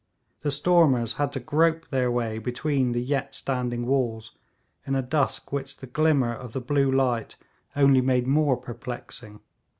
The stormers had to grope their way between the yet standing walls in a dusk which the glimmer of the blue light only made more perplexing.